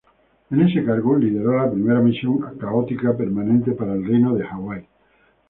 En ese cargo, lideró la primera misión católica permanente para el Reino de Hawái.